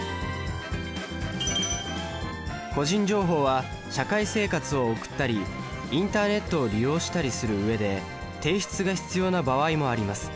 個人情報は社会生活を送ったりインターネットを利用したりするうえで提出が必要な場合もあります。